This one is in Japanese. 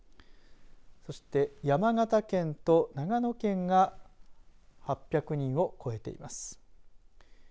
そして、山形県と長野県が８００人を超えています。